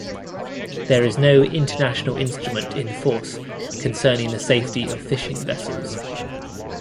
There is no international instrument in force concerning the safety of fishing vessels.